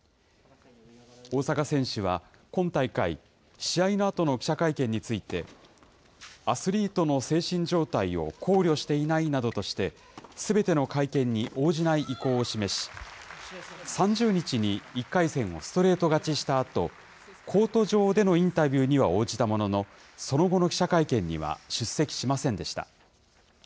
大坂選手は今大会、試合のあとの記者会見について、アスリートの精神状態を考慮していないなどとして、すべての会見に応じない意向を示し、３０日に１回戦をストレート勝ちしたあと、コート上でのインタビューには応じたものの、その後の記者会見には出席しませんでした。